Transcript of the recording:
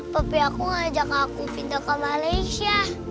papi aku ngajak aku video ke malaysia